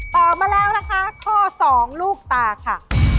มาแล้วนะคะข้อ๒ลูกตาค่ะ